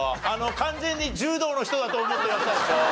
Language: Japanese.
完全に柔道の人だと思ってやってたでしょ。